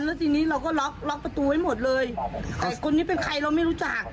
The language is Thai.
แล้วทีนี้เราก็ล็อกล็อกประตูไว้หมดเลยแต่คนนี้เป็นใครเราไม่รู้จัก